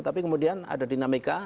tapi kemudian ada dinamika